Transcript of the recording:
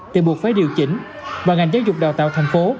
thì buộc phải điều chỉnh và ngành giáo dục đào tạo thành phố